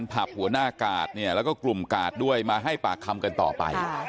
ผับหัวหน้ากาดเนี่ยแล้วก็กลุ่มกาดด้วยมาให้ปากคำกันต่อไป